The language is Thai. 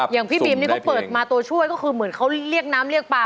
อย่างพี่บีมนี่เขาเปิดมาตัวช่วยก็คือเหมือนเขาเรียกน้ำเรียกปลา